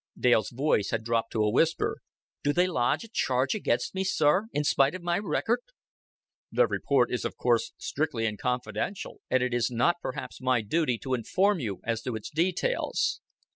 Dale's voice had dropped to a whisper. "Do they lodge a charge against me, sir in spite of my record?" "Their report is of course strictly confidential, and it is not perhaps my duty to inform you as to its details."